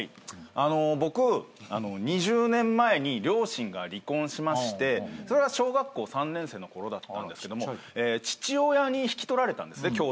あの僕２０年前に両親が離婚しましてそれが小学校３年生のころだったんですけども父親に引き取られたんですね兄弟で。